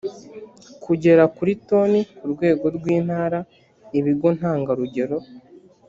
kugera kuri toni ku rwego rw intara ibigo ntangarugero